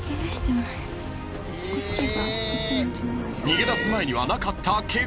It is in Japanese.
［逃げ出す前にはなかったケガが］